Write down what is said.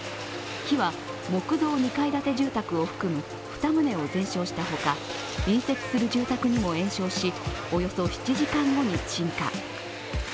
火は木造２階建て住宅を含む２棟を全焼したほか隣接する住宅にも延焼し、およそ７時間後に鎮火。